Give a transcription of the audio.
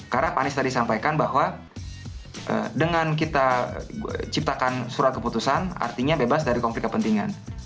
karena pak anies tadi sampaikan bahwa dengan kita ciptakan surat keputusan artinya bebas dari konflik kepentingan